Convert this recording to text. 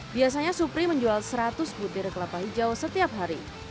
biasanya supri menjual seratus butir kelapa hijau setiap hari